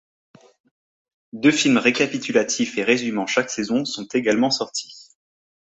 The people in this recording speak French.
Deux films récapitulatifs et résumant chaque saison sont également sortis.